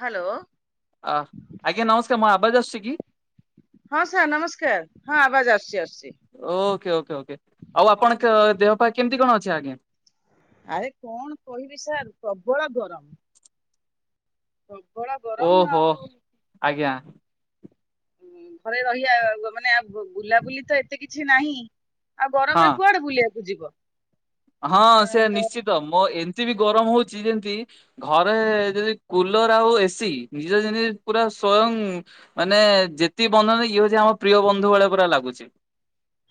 Hello ଅ ଆଜ୍ଞା ନମସ୍କାର ମା ଆବାଜ ଆସଛି କି? ହଁ ସାର୍ ନମସ୍କାର ହଁ ଆବାଜ ଆସୁଛି ଆସ ଓ ଓେ ଓକେ ଓକେ ଆଉ ଆପଣଙ୍କ ଦେହ ପାଇଁ କେମତି କଣ ଅଛି ଆଜ୍ଞା? ଆରେ କଣ କହିବି ସାର୍ ପ୍ରବଳ ଗରମ ପ୍ରବଳ ଗରମ ଓହୋ ଆଉ ଆଜ୍ଞା। ଘରେ ରହିବା ମାନେ ବୁଲାବୁଲି ତ ଏତେ କିଛି ନାହିଁ। ଆଉ ହଁ। ଗରମରେ କୁଆଡେ ବୁଲିବା ଯିବ ହଁ ଆଁ, ସେ ତ ନିଶ୍ଚିତ ମୋ ଏମିତି ବି ଗରମ ହଉଛି। ଯେମିତି ଘରେ ଯଦି କୁଲର ଆଉ ଏସି ନିଜ ଯେମିତି ପୁରା ସ୍ଵୟଂ ମାନେ ଯେତିକି ବଧନ ଇଏ ହଉଛି ଆମ ପ୍ରିୟ ବନ୍ଧୁ ବେଳେ ପୁରା ଲାଗୁଛି।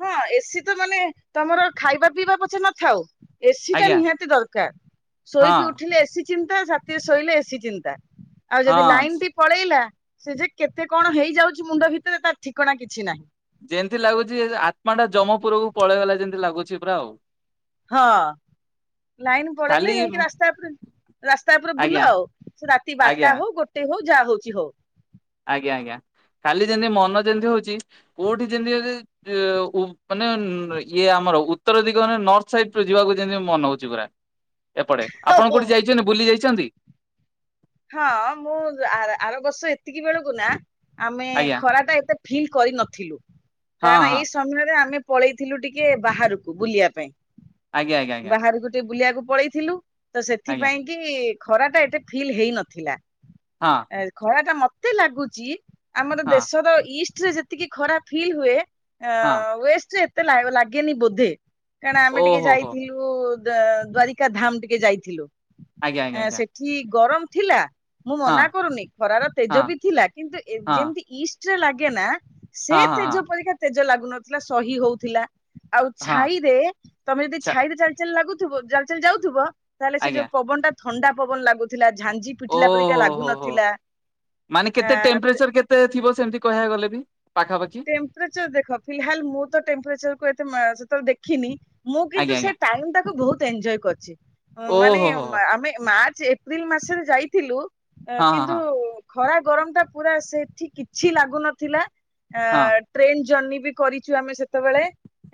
ହଁ ଏସି ତ ମାନେ ତମର ଖାଇବା ପିଇବା ପଛେ ନଥାଉ ଏସିି ଟା ଆଜ୍ଞା ନିହାତି ଦରକାର ହଁ ଶୋଇକି ଉଠିଲେ ଏସି ଚିନ୍ତା ଶୋଇଲେ ଏଶି ଚିନ୍ତା। ଆଉ ଯଦି ହଁ। ଲାଇନ ଟି ପଳେଇଲା ସେ ଯେ କେତେ କଣ ହେଇଯାଉଛି ମୁଣ୍ଡ ଭିତରେ ତ ଠିକଣା କିଛି ନାହିଁ। ଯେମତି ଲାଗୁଛି ଆତ୍ମା ଟା ଜମପୁରକୁ ପଳେଇଗଲା ଯେମତି ଲାଗୁଛି ପୁରା ଆଉ। ହଁ ଲାଇନ ପଳେଇଲେ ଖାଲି ଯାଇକି ରାସ୍ତା ଉପରେ ରାସ୍ତା ଉପରେ ଆଜ୍ଞା ବୁଲ ଆଉ ସେ ରାତି ଆଜ୍ଞା ବାରଟା ହଉ ଗୋଟେ ହଉ ଯାହା ହଉଛି ହଉ। ଯେମତି ମନ ଯେମିତି ହଉଛି କୋଉଠି ଯେମିତି ହଉ ମାନେ ଇଏ ଆମର ଉତ୍ତର ଦିଗ ମାନ ନର୍ଥ ସାଇ ଯିବାକୁ ଯେମିତି ମନ ହଉଛି ପୁରା। ଏପଟେ ଆପଣ କୋଉଠି ଯାଇଛନ୍ତି ବୁଲି ଯାଇଛନ୍ତି? ଛନ୍ତି। ହଁ ମୁଁ ଆର ବର୍ଷ ଏତିକି ବେଳକୁ ନା ଆମେ ଆଜ୍ଞା ଖରା ଟା ଏତେ ଫିଲ୍ କରିନଥିଲୁ ହଁ କାରଣ ହଁ ଏଇ ସମୟରେ ଆମେ ପଳେଇଥିଲୁ ଟିକେ ବାହାରକୁ ବୁଲିବା ପାଇଁ। ଆଜ୍ଞା ଆଜ୍ଞା ଆଜ୍ଞା। ବାହାରକୁ ଟିକେ ବୁଲିବାକୁ ପଳେଇଥିଲୁ। ତ ସେଥିପାଇଁ କି ଖରା ଟା ଏତ ଫିଲ୍ ହେଇ ନଥିଲା। ଆଜ୍ଞା ଘରା ଟା ମତ କେତେ ଲାଗୁଛି ଆମର ହଁ ହଁ ଦେଶର ଇଷ୍ଟ ଯେତିକି ଖରାପ ଫିଲ୍ ହୁଏ ହଁ ହ ୱେ ଲ ଲାଗଗେ ନି ବୋଧେ କାରଣ ଆମେ ଟିକେ ଓହୋ ହୋ ଯାଇଥିଲୁ। ଦ୍ଵାରିକା ଧାମ ଟିକେ ଯାଇଥିଲୁ। ଆଜ୍ଞା ଆ ଆଜ୍ଞା ଆଜ୍ଞା ସେଠି ଗରମ। ଥିଲା। ମୁଁ ମନା କରୁନି ଖରାର ତେଜ ହଁ ବି ଥିଲା କିନ୍ତୁ ଯେମତି ହଁ ଇଷ୍ଟ ଲାଗେ ନା। ସେ ହଁ ହଁ ହଁ ତେଜ ହଁ ପରୀକ୍ଷା ତେଜ ଲାଗୁ ନଥିଲା ସହି ହଉଥିଲା। ଆଉ ହଁ ଛାଇରେ ତମେ ଯଦି ଆଛା ଛାଇରେ ଚାଲି ଚାଲି ଲାଗୁ ଜ ଯାଉଥିବ। ତାହେଲେ ସେ ଯୋଉ ଆଜ୍ଞା ପବନ ଟା ଥଣ୍ଡା ପବନ ଲାଗୁଥିଲା। ଝାଞ୍ଜି ପିଟିଲା ପରିକା ଓହୋ ହୋ ହୋ ଲାଗୁନଥିଲା ମାନେ ଆ କେତେ ଟେମ୍ପରେଚର କେତେ ଥିବ ସେମିତି କହିବାକୁ ଗଲେ ବି ପାଖାପାଖି ଟେମ୍ପରେଚର ଦେଖ ଫିଲାଲ ମୁଁ ତ ଟେମ୍ପରେଚର କୁ ଏତେ ତ ଦେଖିନି ମୁଁ ଆଜ୍ଞା କିନ୍ତୁ ଆଜ୍ଞା ସେ ଟାଇମ ଟାକୁ ବହୁତ ଏନ୍ଜୟ କରିଛି। ହଁ ମାନେ ଓହୋ ହୋ ହୋ ଆମେ ମା ଏପ୍ରିଲ ମାସରେ ଯାଇଥିଲୁ। ଅ ହଁ ହଁ କିନ୍ତୁ ହଁ ଖରା ଗରମ ଟା ପୁରା ସେଠି କିଛି ଲାଗୁନଥିଲା। ଆ ହଁ ଟ୍ରେନ୍ ଜର୍ନ। ବି କରିଛୁ ଆମେ ସେ ଯେତେବେଳେ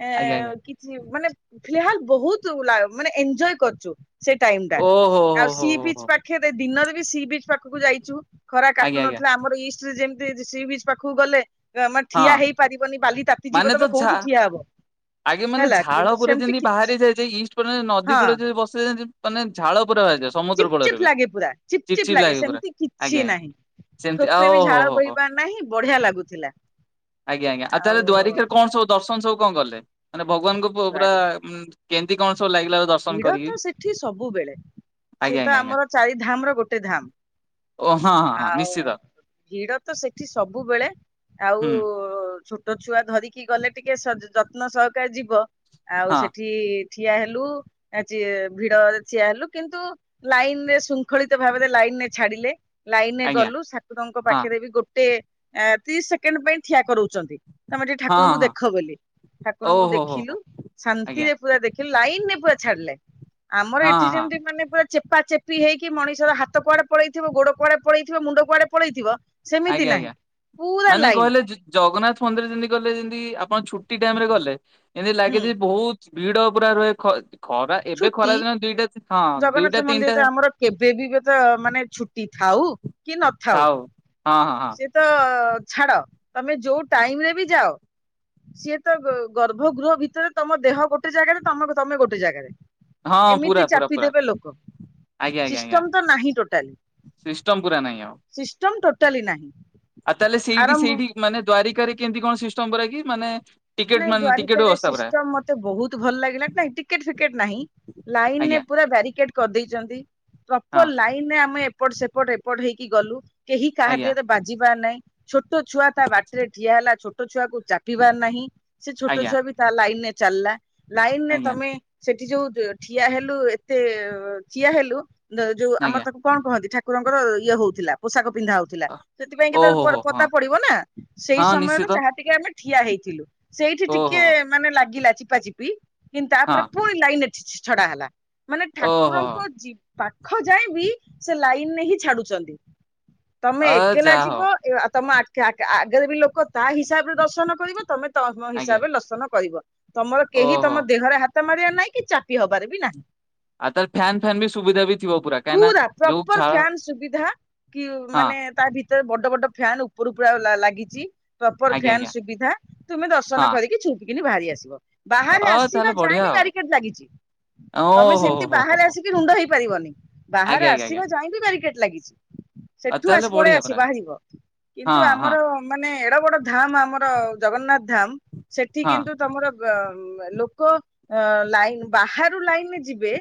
ଏ ଆଜ୍ଞା ଆଜ୍ଞା କିଛି ମାନେ ଫିଲହଲ ବହୁତ ମାନେ ଏଞଜୟ କରୁଛୁ। ସେ ଟାଇମ ଟା ଓହୋ ଆଉ ହୋ ହୋ ସି ପିଚ ହୋ ପାଖେ ଦିନ ସି ବିଚ୍ ପାଖକୁ ଯାଇଛୁ। ଖରା କାଟୁ ଆଜ୍ଞା ଆଜ୍ଞା ନଥିଲା ଆମର ଇ ଯେମତି ସି ବିଚ ପାଖକୁ ଗଲେ। ଆମର ଠିଆ ହଁ ହେଇପାରିବନି ବାଲି ତା ମାନେ ତ ଝ ଆଗେ ମାନେ ହେଲା ଝାଳ କିନ୍ତୁ ପରେ ସେମିତି ଯେମିତି କିଛି ବାହାରି ଯାଇଛି ଇଷ୍ଟ ପରେ ନଦୀ ହଁ କୂଳେ ଯଦି ବସି ମାନ ଝାଡ ଚିପ୍ ଚିପ୍ ଲାଗେ ପୁରା ଚିପ୍ ଚିପ୍ ଲାଗେ ସେମତି କିଛି ନାହିଁ ସେମିତି ଆଉ ସୋପେ ବି ଓହୋ ଝାଳ ହୋ ହୋ ବୋୋଇବା ନାହିଁ ବଢିଆ ଲାଗୁଥିଲା। ତାହେ ଆଉ ଦ୍ୱାରିକରେ କଣ ସବୁ ଦର୍ଶନ ସୁ କଣ ଗଲେ ମାନେ ଭଗବାନଙ୍କୁ ପୁରରା କେନ୍ଦ୍ର୍ରୀ କ ଭିଡ ତ ସେଠି ସବୁବେଳେ ସିଏ ଆଜ୍ଞା ତ ଆଜ୍ଞା ଆଜ୍ଞା ଆମର ଚାରି ଧାମ ର ଗୋଟେ ଓ ଧାମ ହଁ ହଁ ହଁ ଆଉ ନିଶ୍ଚିତ ଭିଡ ତ ସେଠି ସବୁବେଳେ ହୁଁ ଆଉ ଛୋ ଟ ଛୁଆ ଧରିକି ଗଲେ ଟିକେ ଯତ୍ନ ସହକ ଯିବ। ଆଉ ହଁ ସେଠି ଠିଆ ହେଲୁ ଆଜି ଭିଡ ଠୀଆ ହେଲୁ କିନ୍ତୁ ଲାଇନରେ ଶୃଙ୍ଖଳିତ ଭାବରେ ଲାଇନ ରେ ଛାଡିଲେ। ଲାଇନରେ ଆଜ୍ଞା ଗଲୁ ଠାକୁରଙ୍କ ହଁ ପାଖରେ ବି ଗୋଟେ ତିରିଶ ସେକେଣ୍ଡ ପାଇଁ ଠିଆ କରୁଛି। ଚନ୍ତି ତମେ ଟିକେ ହଁ ଠାକୁରଙ୍କୁ ହଁ ହଁ ଦେଖ ବୋଲି ଠାକୁରଙ୍କୁ ଓହୋ ହୋ ଦେଖିଲୁ ହୋ ଆଜ୍ଞା ଶାନ୍ତିରେ ପୁରା ଦେ ଲାଇନ ରେ [unintelligible] ଛାଡ଼ିଲେ। ଆମର ହଁ ଏଠି ହଁ ହଁ ଯେମିତି ମାନେ ପା ଚେପା ଚେପି ହେଇକି ମଣିଷ ହାତ କୁଆଡେ ପଳେଇଥିବ ଗୋଡ କୁଆଡେ ପଳେଇଥିବ ମୁଣ୍ଡ କୁଆଡେ ପଳେଇଥିବ। ସେମିତି ଆଜ୍ଞା ନାହିଁ ଆଜ୍ଞା ପୁରା ମାନେ ଲାଇନ କହିଲେ ଜଗନ୍ନାଥ ମନ୍ଦିର ଯେମତି କହିଲ ଯେମିତି ଆ ଆପଣ ଛୁଟି ଟାଇମ ରେ ଗଲେ। ଏମିତି ହୁଁ ଲାଗେ ଯେ ବହୁତ। ଭିଡ ପୁରା ରୁହେ ଖ ଛୁଟି ଦୁଇଟା ଜଗନ୍ନାଥ ମନ୍ଦିର ତିନିଟା ତ ଆମର କେବେ ବି ତ ମାନେ ଛୁଟି ଥାଉ କି ନଥାଉ। ହଉ ହଁ ହଁ ହଁ ସେ ତ। ଛାଡ ତମେ ଯୋଉ ଟାଇମ ରେ ବି ଯାଅ ସିଏ ତ ଗର୍ଭ ଗୃହ ଭିତରେ ତମ ଦେହ ଗୋଟେ ଜାଗାରେ ତମେ ତମେ ଗୋଟେ ଜାଗାରେ। ହଁ ଏମିତି ପୁରା ପୁର ଚାପି ପ ଦେବେ ଲୋକ ଆଜ୍ଞା ଆଞ ଆଞ ସିଷ୍ଟମ ତ ନାହିଁ ଟୋଟାଲି ସିଷ୍ଟମ ପୁର ନାଇଁ ଆଉ ସିଷ୍ଟମ ଟୋଟାଲି ନାହିଁ ଆଉ ତାହଲେ ସେଇଠି ଆରମ୍ଭ ସେଇଠି ମାନେ ଦ୍ୱାରିକାରେ କେମତି କଣ ସି ନମ୍ବର କିି ମାନେ। ଟିକେଟ ନାଇଁ ମାନେ ଟିକେଟ ଦ୍ଵାରିକା ବ୍ୟବସ୍ଥା ପୁରା ସିଷ୍ଟମ ମତେ ବହୁତ ଭଲ ଲାଗିଲା ନାଇଁ ଟିକେଟ। ଟିକେଟ ନାହିଁ ଲାଇନରେ ଆଜ୍ଞା ପୁରା ବ୍ୟାାରିକେଟ। କରିଦେଇଛନ୍ତି। ହଁ ପ୍ରପର ଲାଇନରେ ଆମେ। ଏପଟ ସେପଟ ଏପଟ ହେଇକି ଗଲୁ। କେହି କାହା ଆଜ୍ଞା ଦିହରେ ବାଜିିବାର ନାଇଁ। [unintelligible] ଛୁଆ ତା ବାଟରେ ଠିଆ ହେଲା ଛୋ ଛୋଟ ଛୁଆକୁ ଚାପିବାର ନାହିଁ। ସେ ଛୋଟ ଆଜ୍ଞା ଛୁଆ ବି ତା ଲାଇନ ରେ। ଚାଲଲା। ଲାଇନରେ ଆଜ୍ଞା ତମେ ସେଠି ଯୋଉ। ଠିଆ ହେଲୁ ଏତେ ଠିଆ ହେଲୁ। ଯଉ ଆମର ଆଜ୍ଞା। ତାକୁ କଣ କହନ୍ତି ଠା ଠାକୁରଙ୍କର ଇଏ ହଉଥିଲା ପୋଷାକ ପିନ୍ଧା ହଉଥିଲା ସେଥିପାଇଁ କେ ଓହୋ [unintelligible] ହୋ ହଁ ପରଦା ପଡିବନା ସେଇ ହଁ ସମୟରେ ତ ନିଶ୍ଚିତ ଯାହା ଟିକେ ଆମେ ଠିଆ ହେଇଥିଲୁ। ସେଇଠି ଓହୋ ଟିକେ ହୋ ମାନେ ଲାଗିଲା ଚିପା ଚିପି। କିନ୍ତୁ ହଁ ତାପରେ ପୁଣି ଲାଇନଟ ଛଡା ହେଲା। ମାନେ ଓହୋ। ଠାକୁରଙ୍କ ଜୀବ ପାଖ ଯାଏ ବି ସେ ଲାଇନ ରେ ହିଁ ଛାଡୁଛନ୍ତି। ତମେ ଅ ଏକଲା ଯାହା ଯିବ ହଉ ଆଉ ତମ ଆ ଆଗରେ ବି ଲୋକ ତା ହିସାବରେ ଦର୍ଶନ କରିବ ତମେ ତମେ ତମ ଆଜ୍ଞା ହିସାବରେ ଦର୍ଶନ କରିବ ତମର କେହି ଓହୋ। ତମ ଦେହରେ ହାତ ହାତ ମାରିବାର ନାହିଁ କି ଚାପି ହବାର ବି ନାହିଁ। ଆଉ ତାର ଫ୍ୟାନ ଫ୍ୟାନ ବି ସୁବିଧା ବି ଥିବ କାହିଁକି ନା ପୁରା ଯୋଉ ପ୍ରପର ଝାଳ ଫାନ ସୁବିଧା କି ହଁ ମାନେ ତା ଭିତରେ ବ ବଡ ବଡ ଫ୍ୟାନ ଉପରୁ ପୁରା ଲାଗିଛି। ପ୍ରପର ଆଜ୍ଞା ଫ୍ୟାନ୍ ଆଜ୍ଞା ସୁବିଧା। ତୁମେ ଦର୍ଶନ ହଁ କରିକି ଚୁପ୍ କିନି ବାହାରି ଆସିବ। ବାହାରେ ଅ ଆସିବା ତାହେଲେ ବଢିଆ ଯାଇଁବି ଆଉ ବାରିକେଡ ଲାଗିଛି ତମେ ଓହୋ ହୋ ସେମତି ହୋ ହୋ ବାହାରେ ହୋ ଆସିକି ରୁଣ୍ଡ ହେଇପାରିବନି ବାହାରେ ଆଜ୍ଞା ଆଜ୍ଞା ଆଜ୍ଞା ଆସିବା ଯାଇ ବି ବାରିକେଡ। ଲାଗିଛି। ଆଉ ସେଠୁ ତାହେଲେ ଆସି ପଳେଇ ବଢିଆ ଆସି ପୁରା ବାହାରିବ ହଁ କିନ୍ତୁ ହଁ ଆମର ମାନେ ଏଡ ବଡ ଧାମ ଆମର ଜଗନ୍ନାଥ ଧାମ୍। ସେଠି ହଁ କିନ୍ତୁ ତମର ଲୋକ ଲାଇନ୍ ବାହାରୁ ଲାଇନରେ ଯିବେ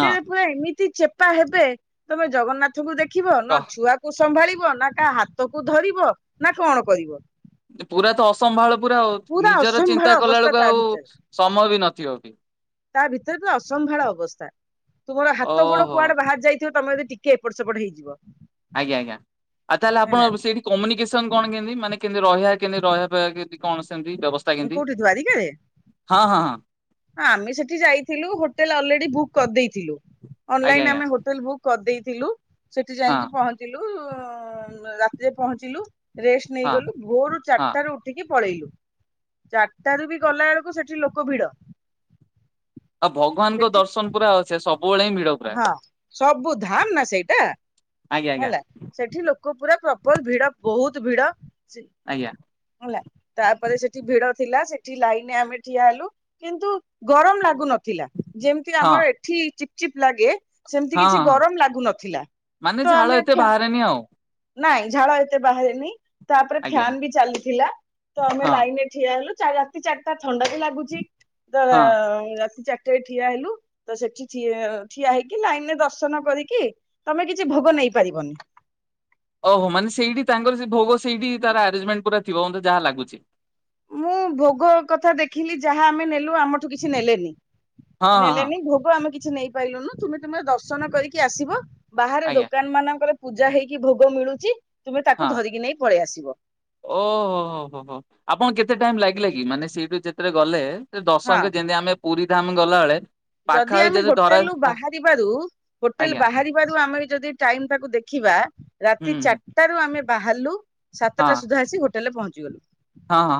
ହଁ ପୁର ଏମିତି ଚେପା ହେବେ ତମେ ଜଗନ୍ନାଥଙ୍କୁ ଦେଖ ଦେଖିବ କି କହ ଛୁଆକୁ ସମ୍ଭାଳିବ ନା କାହା ହାତକୁ ଧରିବ ନା କଣ କରିବ? ପୁରା ତ ଅସମ୍ଭାଳ। ପୁରା ଆଉ ପୁରା ନିଜର ଅସମ୍ଭାଳ ଚିନ୍ତା କଲା ଅବସ୍ଥା ବେଳକୁ ତା ଆଉ ଭିତରେ ସମୟ ବି ନଥିବ ବି ତା ଭିତରେ ଅସମ୍ଭାଳ ଅବସ୍ଥା ତୁମର ହାତ ଗୋଡ ଓହୋ କୁଆଡେ ବାହାରି ଯାଇଥିବ ତମେ ବି ଟିକେ ଏପଟ ସେପଟ ହେଇଯିବ। ଆଜ୍ଞା ଆଜ୍ଞା ଆଉ ତାହେଲେ ଆପଣ ହେଲା ସେଇଠି କମ୍ୟୁନିକେସନ କଣ କେତି ମାନେ କେମିତି ରହିବା କେମତି ରହିବା କେନ୍ତି କଣ? ସେମିତି ବ୍ୟବସ୍ଥା ମୁଁ କେମିତି କଉଠି ଦ୍ୱାରିକା ରେ ହଁ ହଁ ହଁ ହଁ ଆମେ ସେଠି ଯାଇଥିଲୁ ହୋଟେଲ ଅଲରେଡି ବୁକ୍ କରିଦେଇଥିଲୁ। ଆଜ୍ଞା ଅନଲାଇନ ଆଜ୍ଞା ଆମେ ହୋଟେଲ ବୁକ୍ କରିଦେଲୁ। ଲୁ ସେଠି ହଁ ଯାଇକି ପହଞ୍ଚିଲୁ। ରାତିରେ ପହଞ୍ଚିଲୁ। ରେଷ୍ଟ ହଁ ନେଇଗଲୁ ଭୋରୁୁ ହଁ ଚାରିଟ ର ଉଠିକି ପଳେଇଲୁ। ଚାରିଟାରୁ ବି ଗଲା ବେଳକୁ ସେଠି ଲୋକ ଭିଡ। ଆଉ ଭଗବାନଙ୍କ ସେଠି ଦର୍ଶନ ପୁରା ଅ ସେ ସବ ହଁ ସବୁ ଧାମ ନା ସେଇଟା ଆଜ୍ଞା ଆଜ୍ଞା ହେଲା ସେଠି ଲୋକ ପୁରା ପ୍ରପଲ ଭିଡ ବହୁତ ଭିଡ। ଆଜ୍ଞା ହେଲା ତାପରେ ସେଠି ଭିଡ ଥିଲା ସେଠି ଲାଇନ ଆମେ ଠିଆ ହେଲୁ କିନ୍ତୁ ଗରମ ଲାଗୁନ ଥିଲା ଯେମିତି ହଁ ଆମର ଏଠି ଚିପ୍ ଲାଗେ ସେମିତି ହଁ କିଛି ହଁ ହଁ ଗରମ ଲାଗୁ ନଥିଲା ମାନେ ତ ଝାଳ ଆମେ ଏତେ ଏଠ ବାହାରେନି ଆଉ ନାଇଁ ଝାଳ ଏତେ ବାହାରେନି ତାପରେ ଆଜ୍ଞା ଆଜ୍ଞା ଫ୍ୟାାନ ବି ଚାଲିଥିଲା ତ ଆମେ ହଁ ଲାଇନରେ ଠିଆ ହେଲୁ। ଚା ରାତି ଚାର ଟା ଥଣ୍ଡା ବି ଲାଗୁଛି ତ ହଁ ରାତି ଚା ଟେ ଠିଆ ହେଲୁ ତ ସେଠି ଠିଆ ହେଇକି ଲାଇନ ରେ ଦର୍ଶନ କରିକି ତମେ କିଛି ଭୋଗ ନେଇପାରିବନି। ଓହୋ ମାନେ ସେଇଠି ତାଙ୍କର ସେ ଭୋଗ ସେଇି ତାର ଆରେ୍ନ୍ଜମେଣ୍ଟ ଥିବ ମେ ଯାହା ଲାଗୁଛି। ମୁଁ ଭୋଗ କଥା ଦେଖିଲି ଯାହା ଆମେ ନେଲୁ ଆମଠୁ କିଛି ନେଲେନି। ହଁ ନେ ହଁ ହଁ ହେଲାନି ଭୋଗ ଆମେ କିଛି କିଛି ନେଇପାରିଲୁନୁ ତୁମେ ତୁମର ଦର୍ଶନ କରିକି ଆସିବ। ବାହାରେ ଆଜ୍ଞା ଦୋକାନ ମାନଙ୍କର ପୂଜା ହେଇକି ଭୋଗ ମିଳୁଛି। ତୁମେ ତାକୁ ହଁ ଧରିକି ନେଇ ପଳେଇଆସ। [inaudible] ଓହୋ ହୋ ହୋ ହୋ ଆପଣଙ୍କୁ କେତେ ଟାଇମ ଲାଗିଲା କି ମାନେ ସେଇଠୁ ଯେତେବେଳେ ଗଲେ? ହଁ ଦଶକ ଯେମିତି ଆମେ ପୁରୀ ଧାମ୍ ଗଲାବେେଳେ ଯଦି ଆମେ ହୋଟେଲରୁ ବାହାରିବାରୁ ହୋଟେଲ ଆଜ୍ଞା ବାହାରିବାରୁ ଆମେ ଯଦି ଟାଇମଟାକୁ ଦେଖିବା ହୁଁ ରାତି ହୁଁ ଚାରିଟା ରୁ ଆମେ ବାହାରାଲୁ। ହଁ ସାତଟା ସୁଧା ଆସି ଗୋଟେ [unintelligible] ପହଞ୍ଚିଗଲୁ। ହଁ ହଁ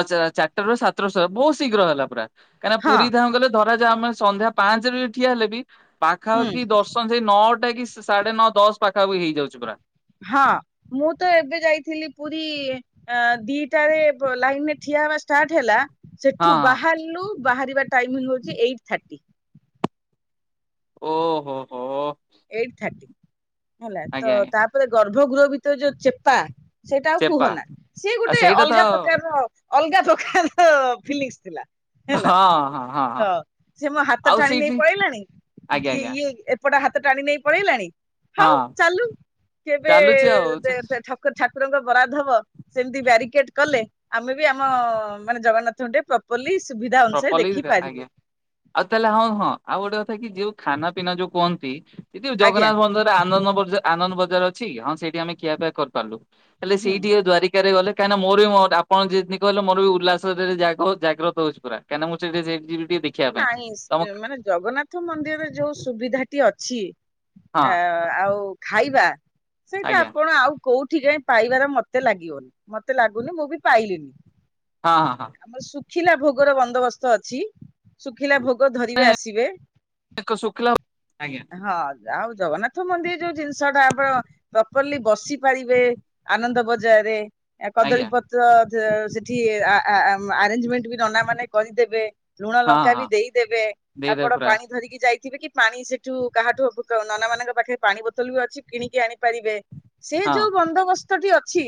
ହଁ ଚାରିଟାରୁ ସାତର ବହୁତ ଶୀଘ୍ର ହେଲା ପୁରା କାହିକନା ହଁ ପୁରୀ ଧାମ ଗଲେ ଆମେ ସନ୍ଧ୍ୟା ପାଞ୍ଚରେ ବି ଠିଆ ହେଲେ ବି ହୁଁ ପାଖାପାଖି ଦର୍ଶନ ସେଇ ନଅ ସେଟା କି ସାଢେ ନଅ ଦଶ ପାଖା ବି ହେଇଯାଉଛି ପୁରା। ହଁ ମୁଁ ତ ଏବେ ଯାଇଥିଲି ପୁରୀ ଦିଟାରେ ଲାଇନରେ ଠିଆ ହେବା ଷ୍ଟାର୍ଟ ହେଲା। ହଁ ସେଠୁ ହଁ। ବାହାରିଲୁ। ବାହାରିବା ଟାଇମିଙ୍ଗ ହଉଛି ଏଇଟ ଥାର୍ଟି। ଓ ହୋ ହୋ। Eight thirty. ହେଲା ତ ଆଜ୍ଞା ଆଜ୍ଞା ତାପରେ ଗର୍ବ ଗଭଗୃହ ଭିତରେ ଯୋଉ ଚେପା ସେଇଟା ଆଉ ଚେପା କୁହନା ସିଏ ଆଉ ଗୋଟେ ସେଇଟା ତ ଅଲଗା ପ୍ରକାରର ଅଲଗା ପ୍ରକାର ଫିଲିଙ୍ଗସ ଥିଲା। ହେଲା ହଁ ସେ ମୋ ହାତ ଆଉ ଟାଣି ନେଇ ସେଇଠି ପଳେଇଲାଣି ଆଜ୍ଞା କିଏ ଆଜ୍ଞା ଇଏ [unintelligible] ତେ ଟାଣି ନେଇ ପଳେଇଲାଣି। ହଉ ହଁ ଚାଲୁ କେବେ ଚାଲୁଛି ଆଉ [unintelligible] ଠାକୁରଙ୍କ ବରାଦ ହବ ସେମିତି ବ୍ୟାରିକେଡ କଲେ ଆମେ ବି ଆମ ମାନେ ଜଗନ୍ନାଥଟେ ପ୍ରପରଲି ସୁବିଧା ଅନୁସାରେ ଦେଖି ପାରିବୁ। ଆଜ୍ଞା ଆଉ ତାହେଲେ ହଁ ହଁ ଆଉ ଗୋଟେ ଥା କିି ଯୋଉ ଖାନା ପିନା ଯୋଉ କୁହନ୍ତି। [unintelligible] ଆଜ୍ଞା ଜଗନ୍ନାଥ ମନ୍ଦିରରେ ଆନନ୍ଦ। [unintelligible] ଆନନ୍ଦ ବଜାର ଅଛି ହଁ ସେଇଠି ଆମେ ଖିଆପିଆ କରିପାରିଲୁ। ହେଲେ ହୁଁ ସେଇଠି ଦ୍ୱାରିକାରେ ଗଲେ କାହିଁକିନା ମୋର ମ ଆପଣ ଯେମିତି କହିଲେ ମୋର ବି ଉଲ୍ଲାସରେ ଜାଗ ଜାଗ୍ରତ ହଉଛି। ପୁରା କାଇଁକିନା ମୁଁ [unintelligible] ପାଇଁ ତମ ନାଇଁ ମାନେ ଜଗନ୍ନାଥ ମନ୍ଦିରରେ ଯୋଉ ସୁବିଧାଟି ଅ ଛିି ଆ ହଁ ଆଉ ଖାଇବା ସେଇଟା ଆଜ୍ଞା ଆପଣ ଆଉ କୋଉଠି କାଇଁ ପାଇବାର ମତେ ଲାଗିବନି ମତେ ଲାଗୁନି ମୁଁ ବି ପାଇଲିନି। ହଁ ହଁ ହଁ। ଖିଲା ଭୋଗର ବନ୍ଦୋବସ୍ତ ଅଛି। ଶୁଖିଲା ଭୋଗ ଧରିବେ ଆସିବେ ହଁ ଶୁଖିଲା ଆଜ୍ଞା ହଁ ଆଉ ଜଗନ୍ନାଥ ମନ୍ଦିର ଯୋଉ ଜିନିଷଟା ଆପଣ ପ୍ରପରଲି ବସି ପାରିବେ ଆନନ୍ଦ ବଜାରେ ଆ କଦଳୀ ଆଜ୍ଞା ପତ୍ର ସେଠି ଆ ଆ ଆରେଞ୍ଜମେଣ୍ଟ ବି ନନାମାନେ କରିଦେବେ ଲୁଣ ଲ ହଁ ଟା ହଁ ବି ଦେଇଦେବେ ଦେଇଦେବେ ଆପଣ ପୁରା ପାଣି ଧରିକି ଯାଇ ଥିବେ କି ପାଣି ସେଠୁ କାହାଠୁ [unintelligible] ନନାମାନଙ୍କ ପାଖେ ପାଣି ବୋତଲବି ଅଛି କିଣିକି ଆଣି ପାରିବେ। ସେ ହଁ ଯୋଉ ବନ୍ଦୋବସ୍ ସ୍ତଟି ଅଛି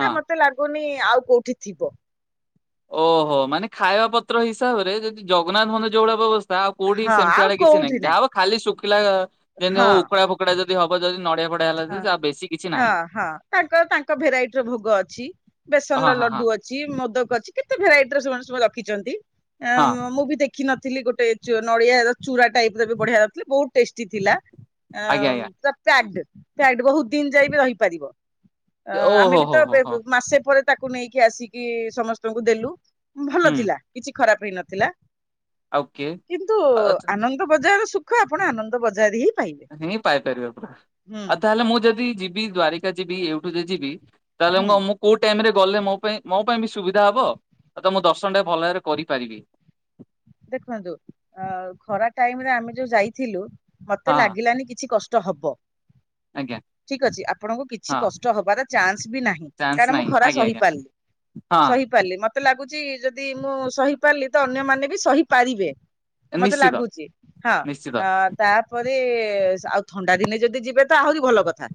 ହଁ। ମତେ ଲାଗୁନି ଆଉ କୋଉଠି ଥିବ। ଓହୋ ମାନେ ଖାଇବା ପତ୍ର ହିସାବରେ ଯଦି ଜଗନ୍ନାଥ ମନ୍ଦିରରେ ଯୋଉଭଳିଆ ବ୍ୟବ ତା ଆଉ କୋଉଠି ହଁ ସେମତି ଆଉ ଆଡେ କିଛି କୋଉଠି ନାହିଁ ଯାହା ହବ ଖାଲି ଶୁଖିଲା ନାହିଁ ଯେମିତି ହବ ହଁ ଉଖୁଡା ଫୁଖୁଡା ଯେ ଯଦି ହବ ଯଦି ନଡିଆ ଫଡିଆ ହେଲା ହଁ ଯଦି ଆଉ ବେଶୀ କିଛି ହଁ ନାହିଁ ହଁ ତାଙ୍କର ତାଙ୍କ ଭେରାଇଟିର ଭୋଗ ଅଛି। ହଁ ବେସନର ହଁ ହଁ ଲଡୁ ଅଛି ମୋଦକ ଅଛି କେତେ ଭେରାଇଟିର ସେମାନେ ସବୁ ର ରଖିଛନ୍ତି। ହଁ ଆଁ ମୁଁ ବି ଦେଖ୍ ଖି ନଥିଲି ଗୋଟେ ଚୁ ନଡିଆର ଚୁରା ଟାଇପର ବି ବଢିଆ ଥିଲା ବହୁ ଟେଷ୍ଟି ଥିଲା ଆଜ୍ଞା ଅଁଉଁ ଆଜ୍ଞା ତା ପ୍ୟାକ୍ଡ ପ୍ୟାକ୍ଡ ବହୁତ ଦିନ ଯାଏ ବି ରହିପାରିବ। ଅଁ ଆମେ ଓହୋ ବି ତ ହୋ ହୋ ବେ ହୋ ବେ ମାସେ ପରେ ତାକୁ ନେଇକି ଆସିକି ସମସ୍ତଙ୍କୁ ଦେଲୁ। ଭଲ ହୁଁ ଥିଲା କିଛି ଖରାପ ହେଇ ନଥିଲା। ଆଉ କିଏ କିନ୍ତୁ ଆନନ୍ଦ ବଜାର ସୁଖ ଆପଣ ଆନନ୍ଦ ବଜାର ହି ହିଁ ପାଇପାରିବା ପୁରା। ଆଉ ତାହେଲେ ମୁଁ ଯଦି ଯିବି ଦ୍ୱାରିକା ଯିବି ଏଇଠୁ ଯେ ଯିବି। ତାହେଲେ ହୁଁ। ମୁମଁ କୋଉ ଟାଇମ୍ ରେ ଗଲେ ମୋ ପାଇଁ ମୋ ପାଇଁ ବି ସୁବିଧା ହବ ତ ମୁଁ ଦର୍ଶନ ଟା ଭଲ ଭାବରେ କରିପାରିବି। ଦେଖନ୍ତୁ ଅ ଖରା ଟାଇମ୍ ରେ ଆମେ ଯୋଉ ଯାଇଥିଲୁ। ମତେ ହଁ ଲାଗିଲାନି କିଛି କଷ୍ଟ ହବ। ଆଜ୍ଞା ଠିକ ଅଛି ଆପଣଙ୍କୁ କିଛି ହଁ କଷ୍ଟ ହବାର ଚାନ୍ସ ବି ନାହିଁ ଚାନ୍ସ କାରଣ ମୁଁ ନାହିଁ ଖରା ଆଜ୍ଞା ଆଜ୍ଞା ସହିପାରିଲି ହଁ ସହିପାରିଲି ମତେ ଲାଗୁଛି ଯଦି ମୁଁ ସହିପାରିଲି। ତ ଅନ୍ୟମାନେ ତ ସହିପାରିବେ। ମତେ ନିଶ୍ଚିତ ଲାଗୁଛି ହଁ ନିଶ୍ଚିତ ଅ ତାପରେ ରେ ଏ ଆଉ ଥଣ୍ଡା ଦିନେ ଯଦି ଯିବେ ଆହୁରି ଭଲ କଥା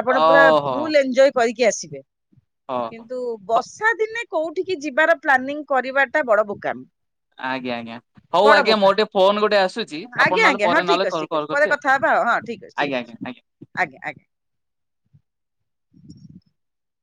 ଆପଣ ପୁରା ଓହୋ ଫୁଲ୍ ଏଞ୍ଜୟ କରିକି କିଏ ଆସିବେ। ହୋ କିନ୍ତୁ ହ ବସ୍ ଖରା ଦିନେ କୋଉଠିକି ଯିବାର ପ୍ଲାନିଂ କରିବାଟା ବଡ଼ ବୋକାମି। ଆଜ୍ଞା ଆଜ୍ଞା ହଉ ବଡ ଆଜ୍ଞା ବୋକାମି। ମୋର ଟିକେ ଫୋନ ଗୋଟେ ଆସୁଛି ଆପଣ ଆଜ୍ଞା ନହେଲେ ଆଜ୍ଞା ହଁ ପରେ ଠିକ୍ ନହେଲେ ଅଛି କଲ ଠିକ୍ ଅଛି ପରେ କରୁଛି କଥା ହବା ଆଉ ହଁ ଠିକ୍ ଅଛି ଠିକ୍ ଅଛି ଆଜ୍ଞା। ଆଜ୍ଞା ଆଜ୍ଞା।